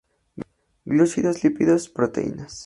Glúcidos, Lípidos, Proteínas.